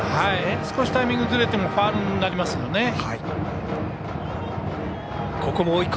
少しタイミングずれてもファウルになりますよね。